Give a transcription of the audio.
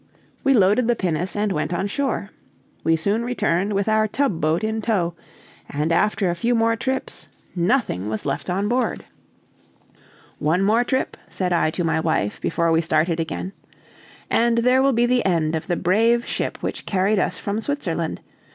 We loaded the pinnace and went on shore. We soon returned with our tub boat in tow, and after a few more trips nothing was left on board. "One more trip," said I to my wife, before we started again, "and there will be the end of the brave ship which carried us from Switzerland.